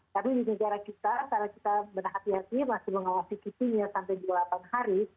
tapi di negara kita karena kita berhati hati masih mengawasi kipinya sampai dua puluh delapan hari